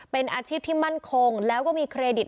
เป็นอาชีพที่มั่นคงแล้วก็มีเครดิต